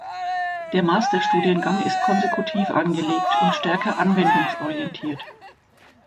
Der Masterstudiengang ist konsekutiv angelegt und stärker anwendungsorientiert.